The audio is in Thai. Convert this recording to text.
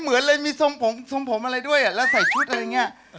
เหมือนเลยมีทรงผมทรงผมอะไรด้วยแล้วใส่ชุดอะไรอย่างนี้